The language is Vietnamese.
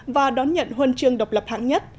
và đón nhận huân chương độc lập hạng nhất